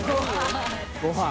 ごはん」